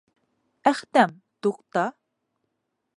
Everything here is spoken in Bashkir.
Әхтәм, туҡта!